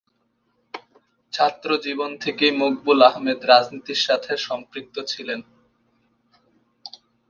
ছাত্রজীবন থেকেই মকবুল আহমদ রাজনীতির সাথে সম্পৃক্ত ছিলেন।